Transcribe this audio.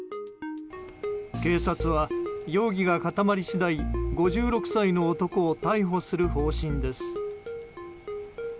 警察は容疑が固まり次第５６歳の男を逮捕する方針です。